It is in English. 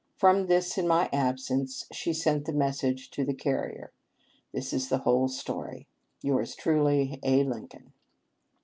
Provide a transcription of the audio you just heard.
From this, in my absence, she sent the message to the carrier. This is the whole story. "Yours truly, "A. Lincoln."